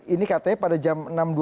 ini katanya pada jam enam dua puluh